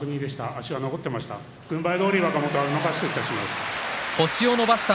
足は残っていました。